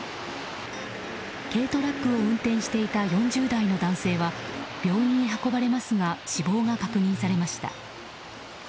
軽トラックを運転していた４０代の男性は病院へ運ばれますが死亡が確認されました。